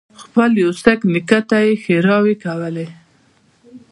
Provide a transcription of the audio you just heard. خپل يوه سېک نیکه ته یې ښېراوې کولې.